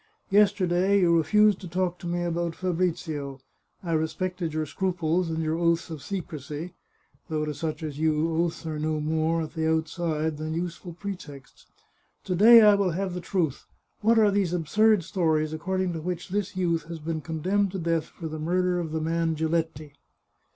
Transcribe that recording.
Yesterday you refused to talk to me about Fabrizio ; I respected your scruples and your oaths of secrecy — ^though to such as you, oaths are no more, at the outside, than useful pretexts. To day I will have the truth. What are these absurd stories according to which this youth has been condemned to death for the murder of the man Giletti